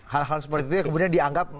hal hal seperti itu yang kemudian dianggap